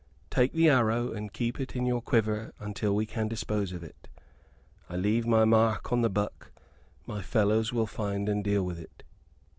"Take the arrow, and keep it in your quiver until we can dispose of it. I leave my mark upon the buck my fellows will find and deal with it."